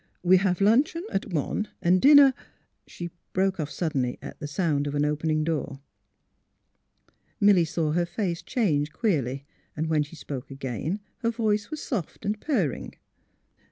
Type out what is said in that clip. We have luncheon at one, and dinner " She broke off suddenly at sound of an open ing door. Milly saw her face change queerly. When she spoke again, her voice was soft and purring.